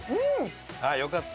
ああよかった。